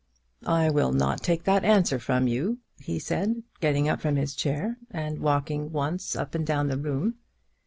"I will not take that answer from you," he said, getting up from his chair, and walking once up and down the room.